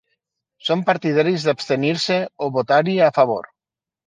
Són partidaris d’abstenir-se o votar-hi a favor.